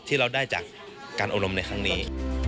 ที่เราได้จากการอบรมในครั้งนี้